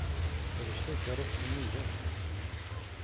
Ḥbes takeṛṛust-nni da.